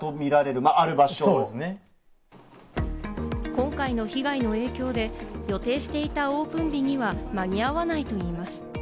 今回の被害の影響で予定していたオープン日には間に合わないといいます。